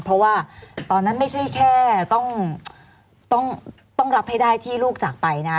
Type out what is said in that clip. เพราะว่าตอนนั้นไม่ใช่แค่ต้องรับให้ได้ที่ลูกจากไปนะ